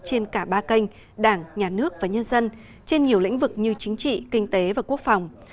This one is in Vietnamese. trên cả ba kênh đảng nhà nước và nhân dân trên nhiều lĩnh vực như chính trị kinh tế và quốc phòng